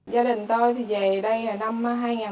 gia đình tôi thì về đây năm hai nghìn một mươi hai